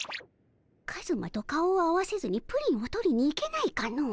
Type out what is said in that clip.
カズマと顔を合わせずにプリンを取りに行けないかの？